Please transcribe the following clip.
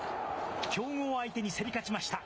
強豪を相手に競り勝ちました。